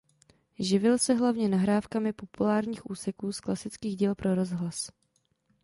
Živil se hlavně nahrávkami populárních úseků z klasických děl pro rozhlas.